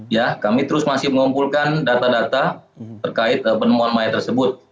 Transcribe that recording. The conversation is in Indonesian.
ya kami terus masih mengumpulkan data data terkait penemuan mayat tersebut